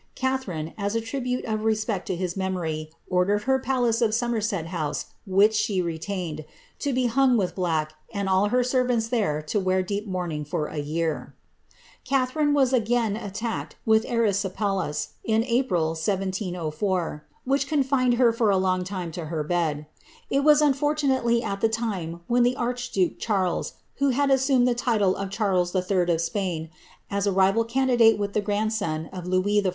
Catharine, ite of respect to his memory, ordered her palace oi Somerset rhich she retained, to be hung with black, and all her servants wear deep mourning for a year. rioe was again attacked with ervsipelas in April, 1704, which her for a long time to her bed. It was unfortunately at the *n the archduke Charles, who had assumed the title of Charles pain, as a rival candidate with the grandson of Louis XIV.